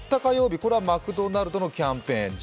これはマクドナルドのキャンペーン。